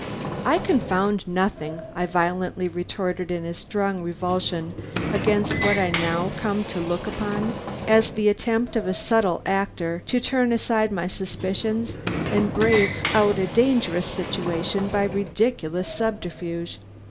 "I confound nothing," I violently retorted in strong revulsion against what I had now come to look upon as the attempt of a subtile actor to turn aside my suspicions and brave out a dangerous situation by a ridiculous subterfuge.